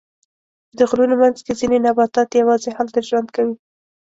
د غرونو منځ کې ځینې نباتات یواځې هلته ژوند کوي.